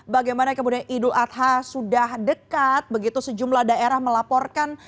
bagaimana kemudian idul adha sudah dekat begitu sejumlah daerah melaporkan